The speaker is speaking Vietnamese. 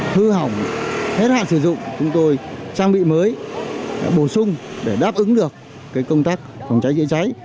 hư hỏng hết hạn sử dụng chúng tôi trang bị mới bổ sung để đáp ứng được công tác phòng cháy chữa cháy